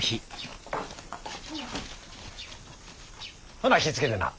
ほな気ぃ付けてな。